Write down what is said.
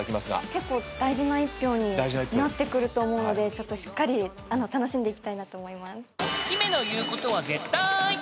結構大事な１票になってくると思うのでしっかり楽しんでいきたいなと思います。